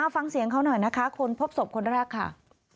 ฟังเสียงเขาหน่อยนะคะคนพบศพคนแรกค่ะ